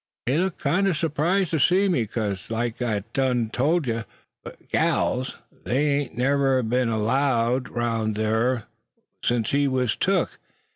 "He looked kinder s'prised tuh see me, 'cause like I done tole yuh, gals, they ain't never be'n 'lowed 'round thar, sense he was took.